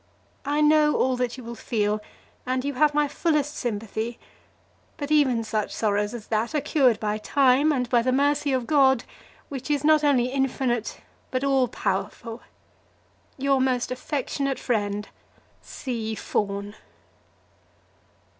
I know all that you will feel, and you have my fullest sympathy; but even such sorrows as that are cured by time, and by the mercy of God, which is not only infinite, but all powerful. Your most affectionate friend, C. FAWN.